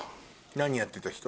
何やってた人？